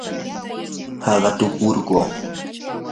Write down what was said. haqatukurquu.